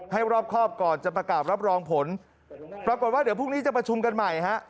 รอบครอบก่อนจะประกาศรับรองผลปรากฏว่าเดี๋ยวพรุ่งนี้จะประชุมกันใหม่ฮะ